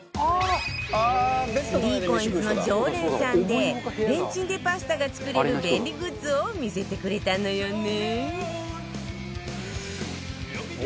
３ＣＯＩＮＳ の常連さんでレンチンでパスタが作れる便利グッズを見せてくれたのよね